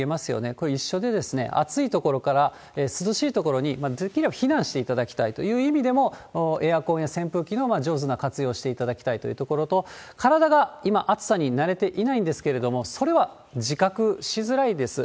これ、一緒で、暑い所から涼しい所にできれば避難していただきたいという意味でも、エアコンや扇風機の上手な活用をしていただきたいというところと、体が今、暑さに慣れていないんですけれども、それは自覚しづらいです。